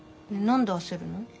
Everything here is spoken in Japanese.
何で焦るの？